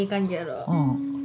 うん。